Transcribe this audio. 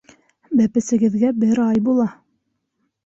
Бәпесегеҙгә бер ай була!